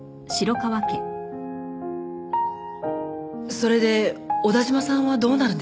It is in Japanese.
それで小田嶋さんはどうなるんですか？